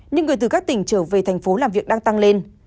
nhưng người từ các tỉnh trở về tp hcm làm việc đang tăng lên